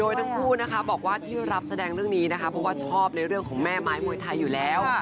ทั้งคู่นะคะบอกว่าที่รับแสดงเรื่องนี้นะคะเพราะว่าชอบในเรื่องของแม่ไม้มวยไทยอยู่แล้ว